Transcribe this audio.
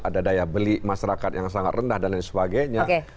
ada daya beli masyarakat yang sangat rendah dan lain sebagainya